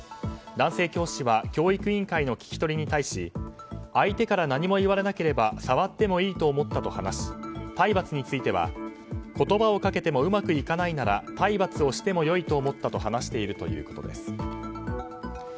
男性教師は教育委員会の聞き取りに対し相手から何も言われなければ触ってもいいと思ったと話し体罰については、言葉をかけてもうまくいかないなら体罰をしてもよいと思ったと話しているということです。